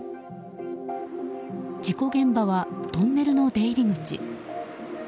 事故現場はトンネルの出入り口。